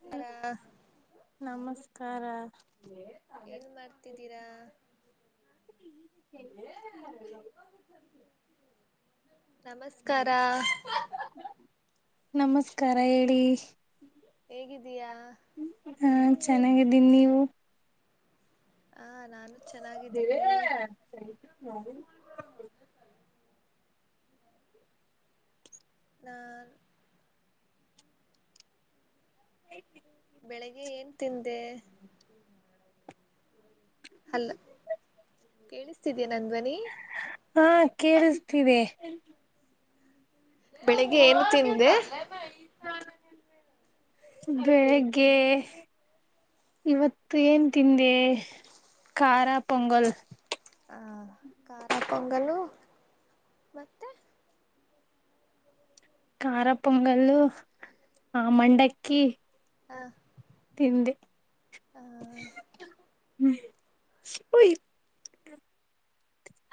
ನಮಸ್ಕಾರ [unintelligible] ನಮಸ್ಕಾರ ಏನ್ ಮಾಡ್ತಿದ್ದೀರಾ [inaudible] [inaudible] [unintelligible] ನಮಸ್ಕಾರ ನಮಸ್ಕಾರ ಹೇಳಿ ಹೇಗಿದ್ದೀಯಾ ಹಾ ಚೆನ್ನಾಗಿದ್ದೀನಿ ನೀವು ಹ ನಾನು ಚೆನ್ನಾಗಿದ್ದೀನಿ [unintelligible] ಸರಿತ್ ನಾವು ಹಾ ಬೆಳಿಗ್ಗೆ ಏನ್ ತಿಂದೆ ಅಲ್ಲ ಕೇಳಿಸ್ತಿದೀಯ ನನ್ ಧ್ವನಿ ಹಾ ಕೇಳಿಸ್ತೀವಿ ಬೆಳಿಗ್ಗೆ ಏನ್ ತಿಂದೆ ಬೆಳಿಗ್ಗೆ ಇವತ್ತು ಏನ್ ತಿಂದೆ ಖಾರ ಪೊಂಗಲ್ ಹಾ ಖಾರ ಪೊಂಗಲು ಮತ್ತೆ ಖಾರ ಪೊಂಗಲ್ಲ ಆ ಮಂಡಕ್ಕಿ ಹಾ ತಿಂದೆಮಯ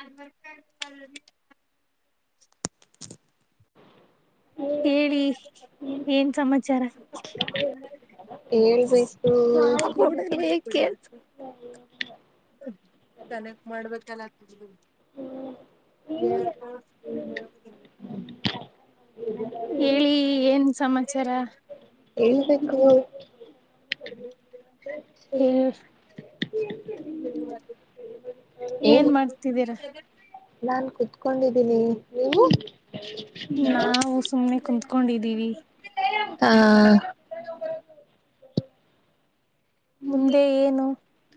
ಅವರ್ಕಲ್ಲ ಹೇಳಿ ಏನ್ ಸಮಾಚಾರ ಹೇಳ್ಬೇಕು ಹಡ ಕನೆಕ್ಟ್ ಮಾಡ್ಬೇಕಲ್ಲ ಯ [unintelligible] ಹೇಳಿ ಏನ್ ಸಮಾಚಾರ ಹೇಳ್ಬೇಕು ಹ್ಮ್ ಏನ್ ಮಾಡ್ತಿದ್ದೀರ ನಾನ್ ಕುೂತ್ಕೊಂಡಿದ್ದೀನಿ ನೀವು ನಾವು ಸುಮ್ಮಕುತ್ಕೊಂಡಿದ್ದೀವಿ ಹಾ ಮುಂದೆ ಏನು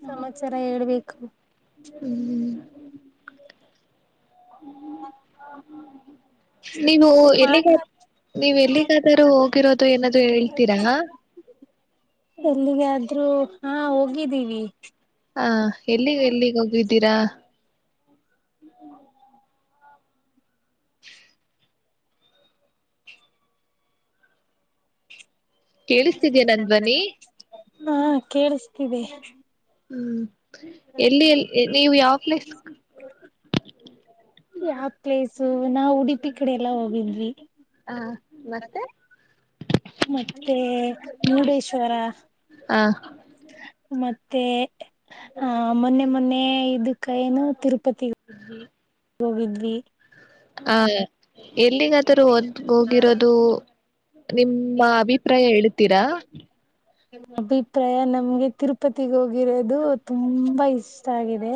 ಸಮಾಚಾರ ಹೇಳ್ಬೇಕು ಹ್ಮ್ ಹ್ಮ ಹ್ಮ ನೀವು ಎಲ್ಲಿಗಾದ ಮಾತಾಡ್ತೀವಿ ನೀವು್ ಎಲ್ಲಿಗಾದರೂ ಹೋಗಿರೋದು ಏನಾದ ಹೇಳ್ತೀರ ಎಲ್ಲಿಗೆಾದ್ರೂ ಹಾ ಹೋಗಿದ್ದೀವಿ ಹ ಎಲ್ಲಿಗ ಎಲ್ಲಿಗೆ ಹೋಗಿದ್ದೀರಾ ಹ್ [inaudible] ಕೇಳಿಸ್ತಿದೀ ನನ್ ಧ್ವನಿ ಹಾ ಕೇಳಿಸ್ತೀವಿ ಹ್ಮ್ ಎಲ್ಲಿ ಎಲ್ಲಿ ನೀವು ಯಾವ ಪ್ಲೇಸ್ ಹ ಯಾವ್ ಪ್ಲೇಸು ನಾವ್ ಉಡುಪಿ ಕಡೆ ಎಲ್ಲಾ ಹೋಗೇನ್ಿ ಹ ಮತ್ತೆ ಮತ್ತೆ ಮುರುಡೇಶ್ವರ ಹಾ ಮತ್ತೆ ಆ ಮೊನ್ನೆ ಮೊನ್ನೆ ಇದಕ್ಕ ಏನು ತಿರುಪತಿ ಹ್ಮ್ ಹೋಗಿದ್ವಿ ಹ ಎಲ್ಲಿಗಾದರೂ ಹದ್ ಹೋಗಿರೋದು ನಿಮ್ಮ ಅಭಿಪ್ರಾಯ ಹೇಳ್ತೀರಾ ಅಭಿಪ್ರಾಯ ನಮ್ಗೆ ತಿರುಪತಿಗ್ ಹೋಗಿರೋದು ತುಂಬಾ ಇಷ್ಟ ಇಷ್ಟ ಆಗಿದೆ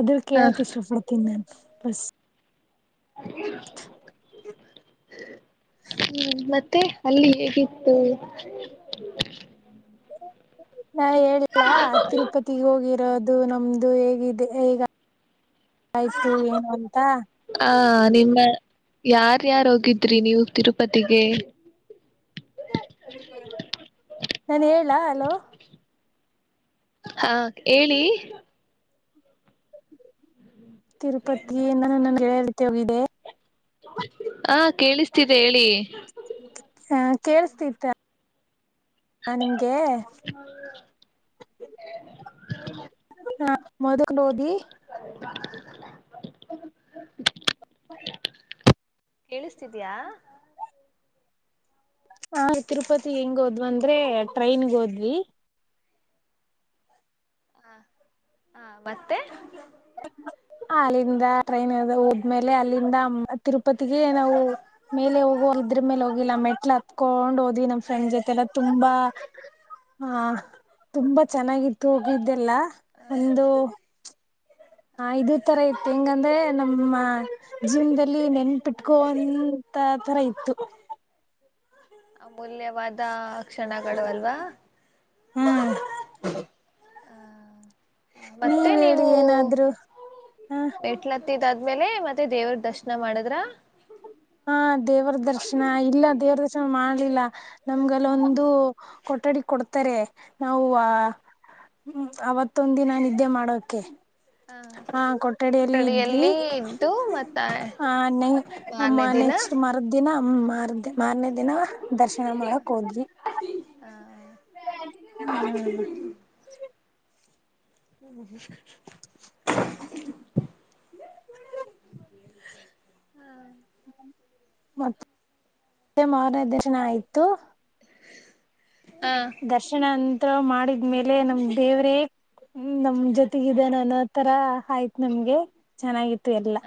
ಅದ್ರ ಹ ಕೇಳಕ್ ಇಷ್ಟ ಪಡ್ತೀನಿ ನಾನನ್ ಸ್ ಹ ಹ್ಮ್ ಮತ್ತೆ ಅಲ್ಲಿ ಹೇಗಿತ್ತು ನಾ ಹೇಳಿಲ್ಲ ತಿರುಪತಿಗೆ ಹೋಗಿರೋದು ದು ನಮ್ದು ಹೇಗಿದೆಗ ಆು ಏನು ಅಂತ ಹ ನಿಮರ್್ಯಾರ್ ಹೋಗಿದ್ರಿ ನೀವು ತಿರುಪತಿಗೆ ನಾನು ಹೇಳಾ ಅಲೋ ಹಾ ಹೇಳಿ ತಿರುಪತಿ ನಾನ ನಗೆಳ ರೀತಿ ಹೋಗಿದೆ ಹ ಕೇಳಿಸ್ತಿದೆ ಹೇಳಿ ಹಾ ಕೇೇಳಸ್ತಿತ್ತು ಹ ನಿಮ್ಗೆ ಹೌ ಹ ಮದಕ ರೋೋಗಿ ಹ್ಮ ಕೇಳಿಸ್ತಿದಯಾ ಹ ತಿರುಪತಿ ಹೆಂಗ್ ಹೋದ್ ಅಂದ್ರೆ ಟ್ರೈನ್ಗೆ ಹೋದ್ವಿ ಹ ಹಾ ಮತ್ತೆ ಅಲ್ಲಿಂದ ಟ್ರೈನ್ ಹೋದ್ಮೇಲೆ ಅಲ್ಲಿಂದ ತಿರುಪತಿಗೆ ನಾವು ಮೇಲೆ ಹೋಗುವ ಇದದ್ರ ಮೇಲೆ ಹೋಗಿಲ್ಲ ಮೆಟ್ಲ ಹತ್ಕೊಂಡ್ ಹಓದಿ ನಮ್ ಫ್ರೆಂಡ್ ಜೊತೆಲ್ಲ ತುಂಬಾ ಹಾ ತುಂಬಾ ಚೆನ್ನಾಗಿತ್ತು ಹೋಗಿದ್ದೆಲ್ಲ ಒಂದು ಹಾ ಇದದು ತರ ಇತ್ ಹೆಂಗಂದ್ರೆ ನಮ್ಮ ಜೀವನದಲ್ಲಿ ನೆನ್ಪಿಟ್ಕೋಂತ ತರ ಇತ್ತು ಅಮೂಲ್ಯವಾದ ಕ್ಷಣಗಳು ಅಲ್ವಾ ಹ್ಮ್ ಮತ್ತೆ ನೀವ್ ಹೇಳಿ ನೀವು ಏನಾದ್ರು ಹ ಮೇಟ್ಲತ್ತಿದಾದ್ಮೇಲೆ ಮತ್ತೆ ದೇವ್ರ ದರ್ಶನ ಮಾಡದ್ರ ಹಾ ದೇವರ ದರ್ಶನ ಇಲ್ಲ ದೇವ್ರ ದರ್ಶನ ಮಾಡ್ಲಿಲ್ಲ ನಮ್ಗೆಲ್ಲ ಒಂದು ಕೊಠಡಿ ಕೊಡ್ತಾರೆ ನಾವು ಹ ಹ್ಮ್ ಅವತ್ತೊಂದ ದಿನ ನಿದ್ದೆ ಮಾಡೋಕೆ ಹ ಹಾ ಕೊಠಡಿಯಲ್ಲಿ ಇದ್ವಿ ಇದ್ದು ಮತ್ತ ಹ ಅಮ್ಮ ಮಾರನೇ ದಿನ ನೆಕ್ಸ್ಟ್ ಮರದ ದಿನ ಮಾರ್ದ ಮಾರನೇ ದಿನ ದರ್ಶನ ಮಾಡಕ್ ಹೋದ್ರಿ ಹಾ ಮಾಡ ಹ್ಮ್ ಹ್ಮ [inaudible] ಹ್ಮ ಮತ್ತೆ ಮಾರನೆ ದಿನ ಆಯ್ತು ಹ ದರ್ಶನ ಅಂತ ಮಾಡಿದ್ಮೇಲೆ ನಮ್ ದೇವ್ರೇ ಹ್ಮ್ ನಮ್ ಜೊತೆಗ ಇದಾನ ಅನ್ನೋ ತರ ಆಯ್ತ ನಮ್ಗೆ ಚೆನ್ನಾಗಿತ್ತು ಎಲ್ಲ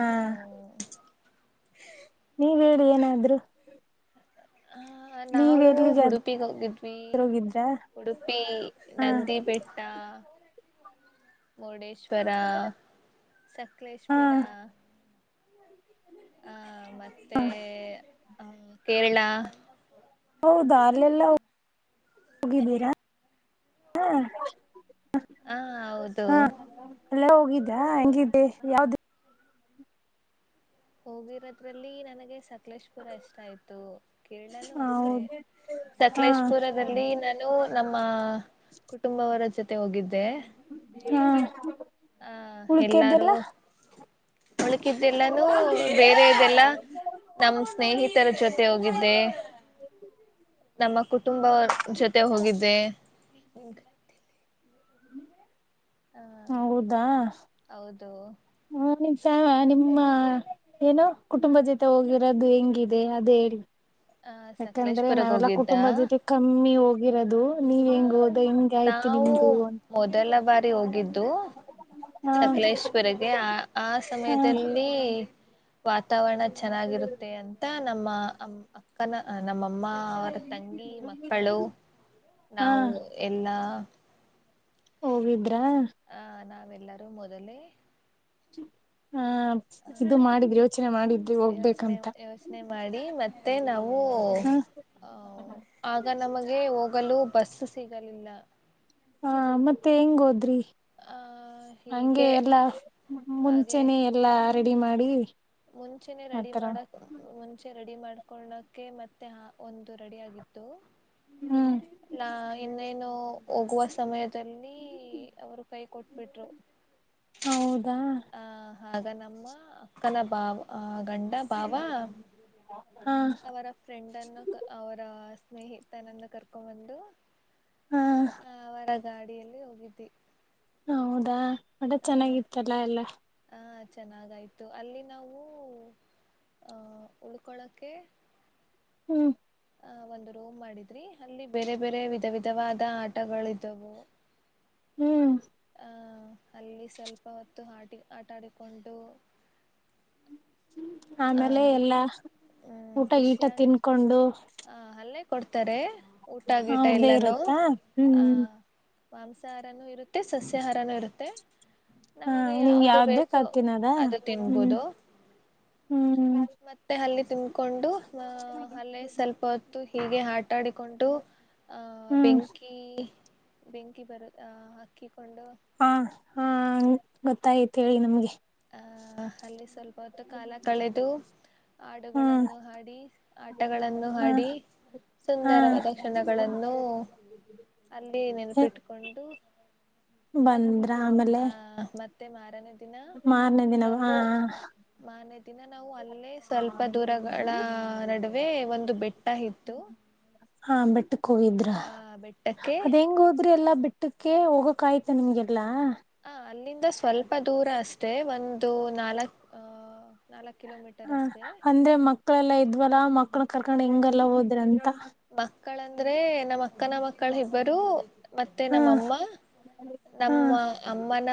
ಹಾ ಹ ನೀವ ಹೇಳಿ ಏನಾದ್ರು ಹ ಹ ನೀವ್ ನಾವು ಎಲ್ಲಿಗಾದ್ರೂ ಉಡುಪಿಗೆ ಹೋಗಿದ್ವಿ ಹೋಗಿದ್ರಾ ಉಡುಪಿ ಹಾ ನಂದಿ ಬೆಟ್ ಾ [inaudible] ಮುರ್ಡೇಶ್ವರ ಹಾ ಸಕ್ಲೇಶ್ವರ ಹಹ ಮತ್ತೆ ಅ ಕೇರಳ ಹೌದಾ ಅಲೆಲ್ಲ ಹೋಗಿದ್ದೀರಾ ಹಾ ಹಾ ಹೌದು ಎಲ್ಲ ಹೋಗಿದ್ದ ಹಂಗಿದ್ದೆ ಯಾವ್ದ ಹೋಗಿರೋದ್ರಲ್ಲಿ ನನಗೆ ಸಕಲೇಶ್ಪುರ ಇಷ್ಟಾಯ್ತು ಕೇರಳನು ಅಷ್ಟೇ ಹೌದು ಹಾ ಸಕಲೇಶಪುರದಲ್ಲಿ ನ ನು ನಮ್ಮ ಕುಟುಂಬವರ ಜೊತೆ ಹೋಗಿದ್ದೆ ಹ್ಮ್ ಆ ಉಳಿಕೆ ಇದ್ದಲ್ಲ ಉಳುಕಿದ್ರೆಲ್ಲಾನು ಬೇರೆ ಇದೆಲ್ಲ ನಮ್ ಸ್ನೇಹಿತರ ಜೊತೆ ಹೋಗಿದ್ದೆ ನಮ್ಮ ಕುಟುಂಬ ಜೊತೆ ಹೋಗಿದ್ದೆ ಹ ಹೌದಾ ಹೌದು ಹಾ ನಿಮ್ಸ ನಿಮ್ಮ ಏನೋ ಕುಟುಂಬ ಜೊತೆ ಹೋಗಿರೋದು ಹೆಂಗಿದೆ ಅದೇ ಹೇಳಿ ಆ ಯಾಕಂದ್ರೆ ಸಕಲೇಶ್ಪುರಗ್ ನಾವೆಲ್ಲಾ ಕುಟುಂಬ ಹೋಗಿದ್ದ ಜೊತೆ ಕಮ್ಮಿ ಹೋಗಿರೋದು ನೀವ್ ಆ ಹೆಂಗ್ ಹೋದ ಹೆಂಗ ಆಯ್ತಿು ನಾವು ನಿಮ್ದ ಮೊದಲ ಬಾರಿ ಹೋಗಿದ್ದು ಹ ಸಕಲೇಶ್ ವರೆಗೆ ಆ ಆ ಹ ಸಮಯದಲ್ಲಿ ವಾತಾವರಣ ಚೆನ್ನಾಗಿರುತ್ತೆ ಅಂತ ನಮ್ಮ ಅ ಅಕ್ಕನ ನಮ್ಮಮ್ಮ ಅವರ ತಂಗಿ ಮಕ್ಕಳು ಹಾ ನಾವು ಎಲ್ಲಾ ಹೋಗಿದ್ರಾ ಆ ನಾವೆಲ್ಲರೂ ಮೊದಲೇ ಹ ಇದು ಮಾಡಿದ್ರೆ ಯೋಚನೆ ಮಾಡಿದ್ರೆ ಹೋಗ್ಬೇಕಂತ ನೆ ಮಾಡಿ ಮತ್ತೆ ನಾವು ಹ ಆಹ್ ಆಗ ನಮಗೆ ಹೋಗಲು ಬಸ್ ಸಿಗಲಿಲ್ಲ ಹಾ ಮತ್ತೆ ಹೆಂಗ ಹೋದ್ರಿ ಆ ಹಂಗೆ ಹೀಗೆ ಎಲ್ಲಾ ಹಾಗೆ ಮುಂಚೆನೆ ಎಲ್ಲ ಎಲ್ಲ ರೆಡಿ ಮಾಡಿ ಮುಂಚೆನೆ ರೆಡಿ ಆತರ ಮಾಡಕ್ ಮುಂಚೆ ರೆಡಿ ಮಾಡ್ಕಳಕೆ ಮತ್ತೆ ಒಂದು ರೆಡಿ ಆಗಿತ್ತು ಹ್ಮ್ ನಾ ಇನ್ನೇನು ಹೋಗುವ ಸಮಯದಲ್ಲಿ ಅವರು ಕೈ ಕೊಟ್ಬಿಟ್ರು ಹೌದಾ ಆ ಆ ನಮ್ಮ ನನ್ನ ಬಾವ ಗಂಡ ಬಾವ ಹ ಅವರ ಫ್ರೆಂಡ್ನ್ನು ಅವರ ಸ್ನೇಹಿತನನ್ನು ಕರ್ಕೊ ಬಂದು ಹ ಹ ಅವರ ಗಾಡಿಯಲ್ಲಿ ಹೋಗಿದ್ದಿ ಹೌದಾ ಮಟಾ ಚೆನ್ನಾಗಿತ್ತಲ್ಲಾ ಎಲ್ಲಾ ಹಹ ಚೆನ್ನಾಗಾಯ್ತು ಅಲ್ಲಿ ನಾವು ಆಹ ಉಳ್ಕೊಳಕ್ಕೆೆ ಹ್ಮ್ ಆಹ ಒಂದು ರೂಮ್ ಮಾಡಿದ್ರಿ ಅಲ್ಲಿ ಬೇರೆ ಬೇರೆ ವಿಧ ವಿಧವಾದ ಆಟಗಳ್ದವು ಹ್ಮ್ ಹ ಅಲ್ಲಿ ಸ್ವಲ್ಪ ಹೊತ್ತು ಆಟಿ ಆಟ ಆಡಿಕೊಂಡು ಆ ಆಮೇಲೆ ಎಲ್ಲಾ ಹ್ಮ್ ಊಟ ಈಟ ಖುಷಿಯಾಗಿತ್ತು ತಿನ್ಕೊಂಡು ಹ ಅಲ್ಲೇ ಕೊಡ್ತಾರೆ ಊಟಗಿಟ ಅವ್ರ್ದೇ ಎಲ್ಲಾನೂ ಇರತ್ತಾ ಆ ಹ್ಮ್ ಮಾಂಸಾಹಾರನೂ ಇರುತ್ತೆ ಸಸ್ಯಾಹಾರನೂ ಇರುತ್ತೆ ಹಾ ನಮಗೆ ನಿಮ್ಗೆ ಯಾವ್ದ ಯಾವ್ದ್ ಬೇಕ್ ಬೇಕು ಅದ್ ತಿನ್ನದ ಅದು ಹ್ಮ್ ತಿನ್ಬೋದು ಮ ಮತ್ತೆ ಅಲ್ಲಿ ತಿಿಂದ್ಕೊಂಡು ಅಲ್ಲ ಸ್ವಲ್ಪ ಹೊತ್ತು ಹೀಗೆ ಹಾ ಆಟಾಡಿಕೊಂಡು ಆಹ ಹ್ಮ್ ಬೆಂಕಿ ಬೆಂಕಿ ಬರು ಕ ಕೊಂಡ ಹಾ ಹಾ ಗೊತ್ತಾಯ್ತ್ ಹೇಳಿ ನಮ್ಗೆ ಆಹ ಅಲ್ಲಿ ಸ್ವಲ್ಪ ಹೊತ್ತು ಕಾಲ ಕಳೆದು ಹಾ ಹಾಡುಗಳನ್ನು ಹಾಡಿ ಆಟಗಳನ್ನು ಹಾ ಆಡಿ ಹಾ ಸುಂದರವಾದ ಕ್ಷಣಗಳನ್ನು ಅಲ್ಲಿ ನೆನಪಿಟ್ಕೊಂಡು ಬಂದ್ರ ಆಮೇಲೆ ಮಾರನ ದಿನ ಮಾರನೇ ದಿನ ಹಾ ನಾವು ಮನೆ ದಿನ ನಾವು ಅಲ್ಲೇ ಸ್ವಲ್ಪ ದೂರ ಗಳ ನಡುವೆ ಒಂದು ಬೆಟ್ಟ ಇತ್ತು ಹಾ ಬೆಟ್ಟಕ ಹೋಗಿದ್ರ ಆ ಬೆಟ್ಟಕ್ಕೆ ಅದ್ ಹೆಂಗ ಹೋದ್ರಿ ಎಲ್ಲಾ ಬಿಟ್ಟ ಹಊಟ್ಟಕ್ಕೆ ಹೋಗಕ್ ಆಯ್ತ ನಿಮ್ಗೆಲ್ಲಾ ಹ ಅಲ್ಲಿಂದ ಸ್ವಲ್ಪ ದೂರ ಅಷ್ಟೇ ಒಂದು ನಾಲ್ಕ್ ಅ ನಾಲ್ಕ್ ಕಿಲೋಮೀಟರ್ ಹ ಅಷ್ಟೇ ಅಂದ್ರೆ ಮಕ್ಕಳೆಲ್ಲಾ ಇದ್ವಲ್ಲಾ ಮಕ್ಳ ಕರ್ಕೊಂಡ್ ಹಿಂಗಲ್ಲ ಹೋದ್ರಂತ ಮಕ್ಕಳಂದ್ರೆ ನಮ್ಮ ಅಕ್ಕನ ಮಕ್ಕಳ ಇಬ್ಬರು ಮತ್ತೆ ಹಾ ನಮ್ಮಅಮ್ಮ ಹಾ ನಮ್ಮ ಅಮ್ಮನ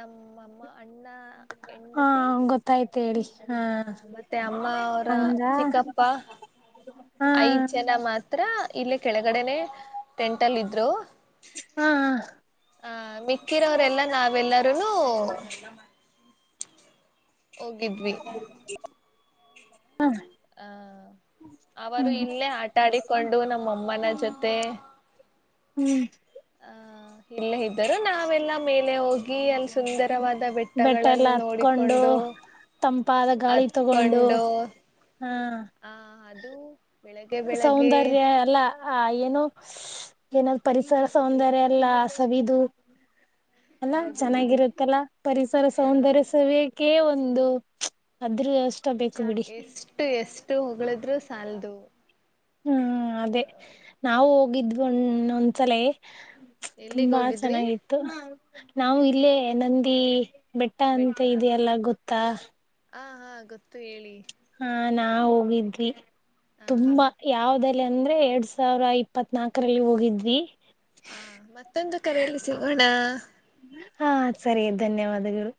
ನಮ್ಮಮ್ಮ ಅಣ್ಣ ಹಾ ಹೆಂಡತಿ ಗೊತ್ತಾಯ್ತ್ ಹೇಳಿ ಹಾ ಆ ಮತ್ತೆ ಅಮ್ಮ ಅವರ ಚಿಕ್ಕಪ್ಪ ವಾಹ್ ಹ್ಮ ಮಾತ್ರ ಇಲ್ಲಿ ಕೆಳಗಡೆನೆೇ ಟೆಂಟ್ ಅಲ್ಲಿ ಇದ್ರು ಹಾ ಹ ಆ ಮಿಕ್ಕಿರವರೆಲ್ಲಾ ನಾವೆಲ್ಲಾರೂನು ಹೋಗಿದ್ವಿ ಹ್ಮ ಹ ಅವರು ಇಲ್ಲೇ ಆಟ ಆಡಿಕೊಂಡು ನಮ್ಮಮ್ಮನ ಜೊತೆ ಹ್ಮ್ ಇಲ್ಲೆ ಇದ್ದರೂ ನಾವೆಲ್ಲಾ ಮೇಲೆ ಹೋಗಿ ಅಲ್ಲಿ ಸುಂದರವಾದ ಬೆಟ್ಟ ಎಲ್ಲ ಬೆಟ್ಟಗಳನ್ನು ಹತ್ಕೊಂಡು ನೋಡಿಕೊಂಡು ತಂಪಾದ ಗಾಳಿ ತಗೊಂಡು ಹಾ ಹಾ ಅದು ಬೆಳಿಗ್ಗೆ ಬೆಳಿಗ್ಗೆ ಹ ಏನೋ ಏನಾದ್ ಪರಿಸರ ಸೌಂದರ್ಯ ಎಲ್ಲ ಸವಿದು ಅಲ್ಲಾ ಹೌದೌದು ಚೆನ್ನಾಗಿರುತ್ತಲ್ಲಾ ಪರಿಸರ ಹ ಸೌಂದರ್ಯ ಸವಿ ಕೇ ಒಂದು ಅದ್ರಷ್ಟ ಬೇಕು ಬಿಡಿ ಅ ಎಷ್ಟು ಹೊಗಳಿದ್ರು ಸಾಲದು ಹ್ಮ್ ಅದೇ ನಾವು ಹೋಗಿದ್ವಣೊಂದ್ಸಲೇ ಎಲ್ಲಿಗ್ ತುಂಬಾ ಹೋಗಿದ್ರಿ ಚೆನ್ನಾಗಿತ್ತು ನಾವು ಇಲ್ಲೇ ನಂದಿ ಬೆಟ್ಟ ಬೆಟ್ಟಾ ಅಂತ ಇದೆ ಎಲ್ಲಾ ಗೊತ್ತಾ ಹ ಹಾ ಗೊತ್ತು ಹೇಳಿ ಹಾ ನಾವು ಹೋಗಿದ್ವಿ ಹಾ ತುಂಬಾ ಯಾವ್ದ ಇಲ್ಲಿ ಅಂದ್ರೆ ಎರಡ್ ಸಾವಿರ ಇಪ್ಪತ್ ನಾಲ್ಕರಲ್ಲಿ ಹೋಗಿದ್ವಿ ಹಾ ಮತ್ತೊಂದು ಕರೆಯಲ್ಲಿ ಸಿಗೋಣ ಹಾ ಸರಿ ಧನ್ಯವಾದಗಳು